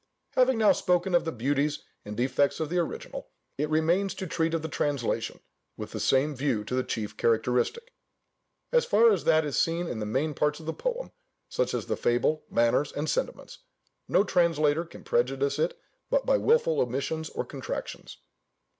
Having now spoken of the beauties and defects of the original, it remains to treat of the translation, with the same view to the chief characteristic. As far as that is seen in the main parts of the poem, such as the fable, manners, and sentiments, no translator can prejudice it but by wilful omissions or contractions.